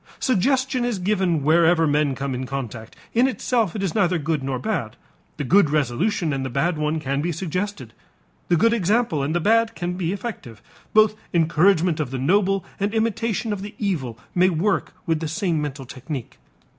Suggestion is given wherever men come in contact; in itself it is neither good nor bad. The good resolution and the bad one can be suggested, the good example and the bad can be effective; both encouragement of the noble and imitation of the evil may work with the same mental technique.